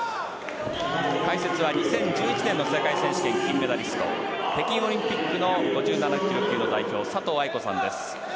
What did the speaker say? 解説は２０１１年の世界選手権金メダリスト北京オリンピックの５７ｋｇ級代表佐藤さんです。